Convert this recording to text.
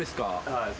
はい。